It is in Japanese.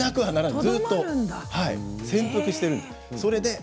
ずっと潜伏しています。